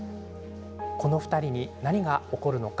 この２人に何が起こるのか。